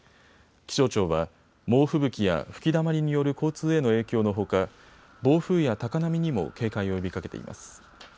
気象庁は猛吹雪や吹きだまりによる交通への影響のほか暴風や高波にも警戒を呼びかけています。